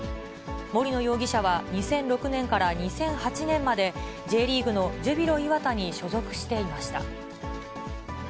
森野容疑者は２００６年から２００８年まで、Ｊリーグのジュビロ磐田に所属していました。